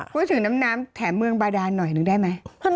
พูดถึงน้ำแถมเมืองบาดานหน่อยนึงได้ไหม